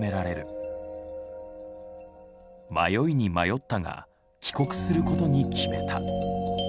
迷いに迷ったが帰国することに決めた。